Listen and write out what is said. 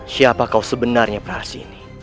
siapa kau sebenarnya prasini